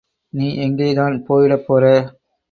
நீ எங்கேதான் போயிடப் போறே.